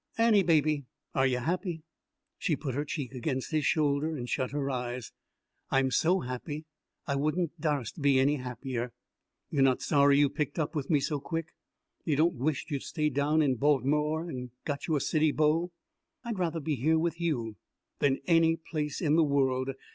"Annie, baby, are y' happy?" She put her cheek against his shoulder and shut her eyes. "I'm so happy I wouldn't darst be any happier." "You're not sorry you picked up with me so quick? You don't wish't you'd stayed down in Balt'mer and got you a city beau?" "I'd rather be with you here than any place in the world.